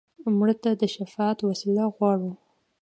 مړه ته د شفاعت واسطه غواړو